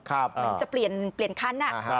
มันจะเปลี่ยนคัน